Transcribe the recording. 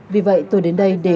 vì vậy tôi đến đây để